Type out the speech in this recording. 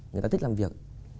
người ta thích làm việc